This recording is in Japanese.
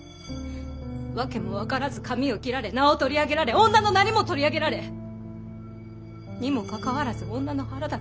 わけも分からず髪を切られ名を取り上げられ女のなりも取り上げられにもかかわらず女の腹だけは貸せという。